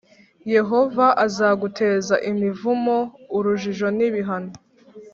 Yehova azaguteza imivumo, urujijo n’ibihano